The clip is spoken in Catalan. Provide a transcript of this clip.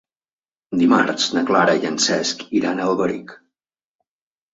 Dimarts na Clara i en Cesc iran a Alberic.